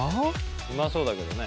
うまそうだけどね。